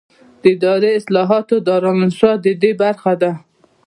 د اداري اصلاحاتو دارالانشا ددې برخه ده.